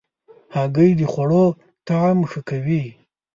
هګۍ د خوړو طعم ښه کوي.